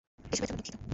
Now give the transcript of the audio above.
এসবের জন্য দুঃখিত।